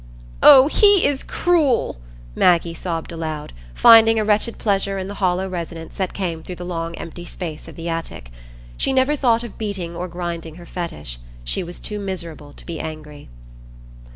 "Oh, he is cruel!" Maggie sobbed aloud, finding a wretched pleasure in the hollow resonance that came through the long empty space of the attic. She never thought of beating or grinding her Fetish; she was too miserable to be angry.